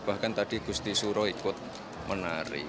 bahkan tadi gusti suro ikut menari